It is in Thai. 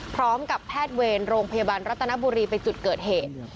พร้อมกับแพทย์เวรโรงพยาบาลรัตนบุรีไปจุดเกิดเหตุ